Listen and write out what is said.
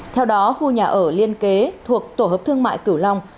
theo đó khu nhà ở liên kế thuộc tổ hợp thương mại cửu long